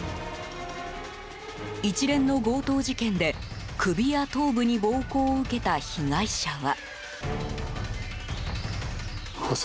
一連の強盗事件で、首や頭部に暴行を受けた被害者は。